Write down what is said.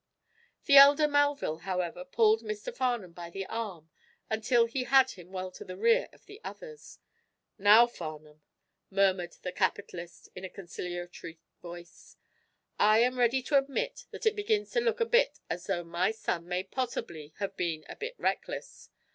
The elder Melville, however, pulled Mr. Farnum by the arm until he had him well to the rear of the others. "Now, Farnum," murmured the capitalist, in a conciliatory voice, "I am ready to admit that it begins to look a bit as though my son may possibly have been a bit reckless.